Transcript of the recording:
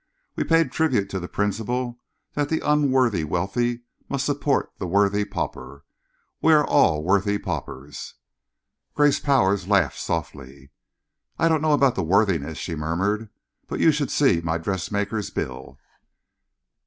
We paid tribute to the principle that the unworthy wealthy must support the worthy pauper. We are all worthy paupers." Grace Powers laughed softly. "I don't know about the worthiness," she murmured, "but you should see my dressmaker's bill!"